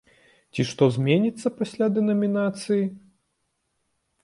Ці што зменіцца пасля дэнамінацыі?